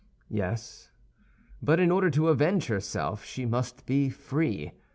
Yes; but in order to avenge herself she must be free.